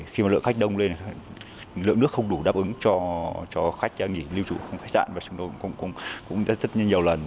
khách nghỉ lưu trụ không khách sạn và chúng tôi cũng rất nhiều lần